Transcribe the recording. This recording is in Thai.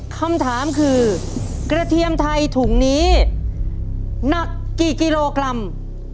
คำถามคือกระเทียมไทยถุงนี้หนักกี่กิโลกรัม